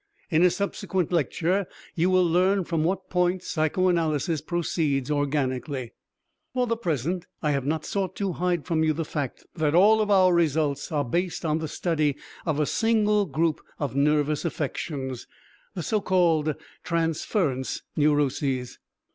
In a subsequent lecture you will learn from what points psychoanalysis proceeds organically. For the present I have not sought to hide from you the fact that all our results are based on the study of a single group of nervous affections, the so called transference neuroses.